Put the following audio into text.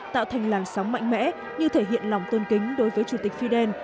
tạo thành làn sóng mạnh mẽ như thể hiện lòng tôn kính đối với chủ tịch fidel